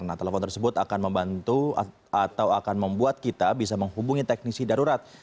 nah telepon tersebut akan membantu atau akan membuat kita bisa menghubungi teknisi darurat